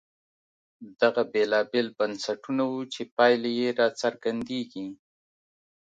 دغه بېلابېل بنسټونه وو چې پایلې یې راڅرګندېدې.